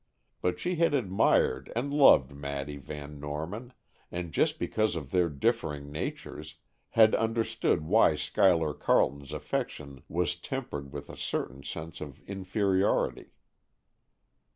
But she had admired and loved Maddy Van Norman, and just because of their differing natures, had understood why Schuyler Carleton's affection was tempered with a certain sense of inferiority.